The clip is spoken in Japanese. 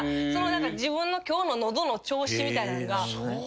自分の今日の喉の調子みたいなのが分かる。